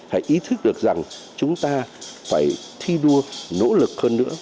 phải ý thức được rằng chúng ta phải thi đua nỗ lực hơn nữa